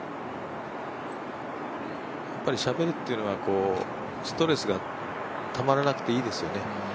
しゃべるというのはストレスがたまらなくていいですよね。